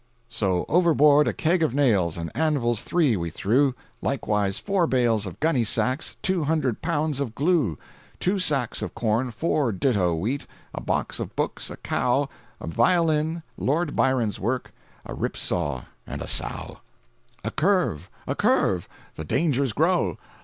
So overboard a keg of nails And anvils three we threw, Likewise four bales of gunny sacks, Two hundred pounds of glue, Two sacks of corn, four ditto wheat, A box of books, a cow, A violin, Lord Byron's works, A rip saw and a sow. 374.jpg (67K) A curve! a curve! the dangers grow!